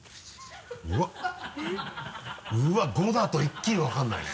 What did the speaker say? うわっ５だと一気に分からないね